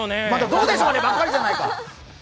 どうでしょうねばっかりじゃないか！